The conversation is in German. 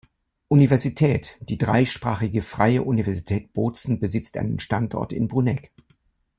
Universität: Die dreisprachige Freie Universität Bozen besitzt einen Standort in Bruneck.